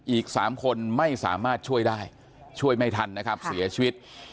อีก๓คนไม่สามารถช่วยได้ช่วยไม่ทันนะครับเสียชีวิต